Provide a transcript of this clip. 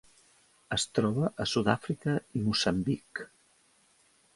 Es troba a Sud-àfrica i Moçambic.